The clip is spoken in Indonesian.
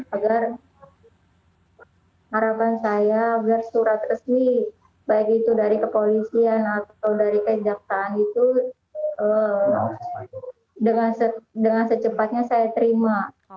agar harapan saya agar surat resmi baik itu dari kepolisian atau dari kejaksaan itu dengan secepatnya saya terima